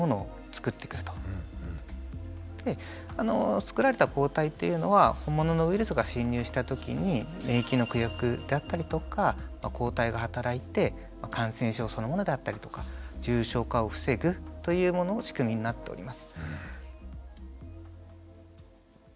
作られた抗体っていうのは本物のウイルスが侵入した時に免疫の記憶であったりとか抗体が働いて感染症そのものだったりとか重症化を防ぐという仕組みになっております。